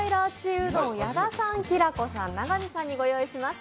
うどん矢田さん、きらこさん、永見さんにご用意しました。